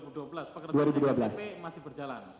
dua ribu dua belas pak kata ini ktp masih berjalan